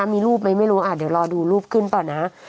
มีรูปไหมไม่รู้เดี๋ยวรอดูรูปขึ้นก่อนนะ